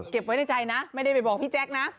ไว้ในใจนะไม่ได้ไปบอกพี่แจ๊คนะ